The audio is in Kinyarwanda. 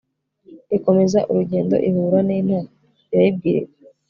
ikomeza urugendo ihura n'intare, irayibwira iti